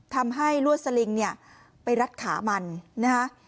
ทำให้ลวดสลิงเนี่ยไปรัดขามันนะคะ